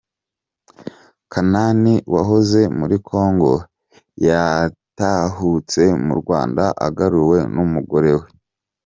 Kanani wahoze muri Kongo yatahutse mu Rwanda agaruwe n’umugore we